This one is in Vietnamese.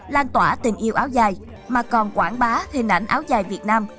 lan tỏa tình yêu áo dài mà còn quảng bá hình ảnh áo dài việt nam